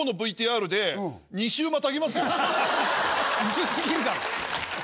薄過ぎるだろ。